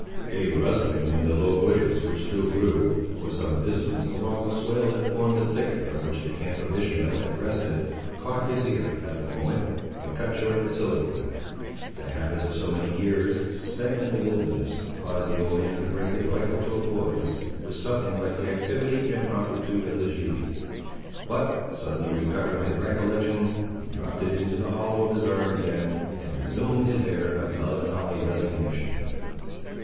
A rustling in the low bushes which still grew, for some distance, along the swale that formed the thicket on which the camp of Ishmael had rested, caught his ear, at the moment, and cut short the soliloquy. The habits of so many years, spent in the wilderness, caused the old man to bring his rifle to a poise, with something like the activity and promptitude of his youth; but, suddenly recovering his recollection, he dropped it into the hollow of his arm again, and resumed his air of melancholy resignation.